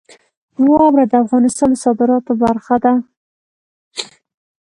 واوره د افغانستان د صادراتو برخه ده.